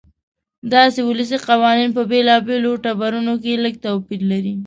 دغه ولسي قوانین په بېلابېلو ټبرونو کې لږ توپیر لري.